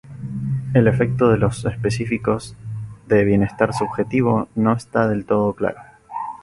El efecto de tipos específicos de bienestar subjetivo no está del todo claro.